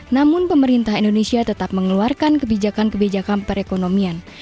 namun pemerintah indonesia tetap mengeluarkan kebijakan kebijakan perekonomian